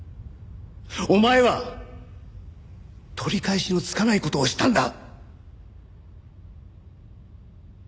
お前は取り返しのつかない事をしたんだ！